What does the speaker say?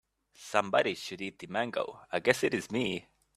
Somebody should eat the mango, I guess it is me.